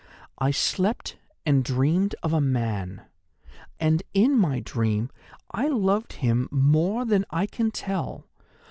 I slept and dreamed of a man, and in my dream I loved him more than I can tell.